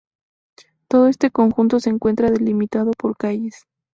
Todo este conjunto se encuentra delimitado por calles.